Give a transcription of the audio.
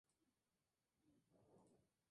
España no tiene una Embajada residente en Seychelles.